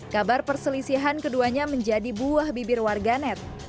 kabar perselisihan keduanya menjadi buah bibir warganet